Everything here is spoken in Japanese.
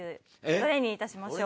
どれにいたしましょう？